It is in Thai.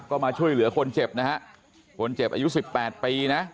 ก็มาช่วยเหลือคนเจ็บนะฮะคนเจ็บอายุสิบแปดปีนะ